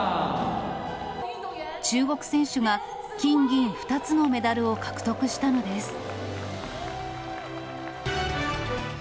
中国選手が金銀２つのメダルを獲得したのです。